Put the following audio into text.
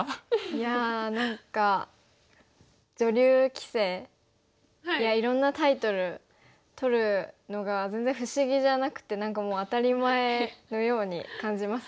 いや何か女流棋聖やいろんなタイトル取るのが全然不思議じゃなくてもう当たり前のように感じます。